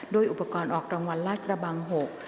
อุปกรณ์ออกรางวัลลาดกระบังหก